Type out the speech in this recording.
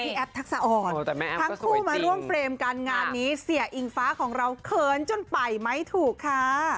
แอปทักษะอ่อนทั้งคู่มาร่วมเฟรมกันงานนี้เสียอิงฟ้าของเราเขินจนไปไม่ถูกค่ะ